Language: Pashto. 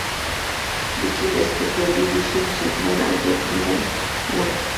د چین استبدادي رژیم شکمن او بدبینه و.